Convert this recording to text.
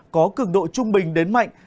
có cường độ trung bình đến mạnh